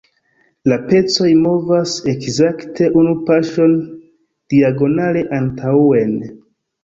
La pecoj movas ekzakte unu paŝon diagonale antaŭen.